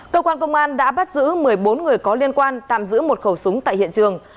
cơ quan công an đã bắt giữ một mươi bốn người có liên quan tạm giữ một khẩu súng tại hiện trường